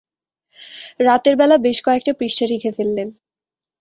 রাতের বেলা বেশ কয়েকটা পৃষ্ঠা লিখে ফেললেন।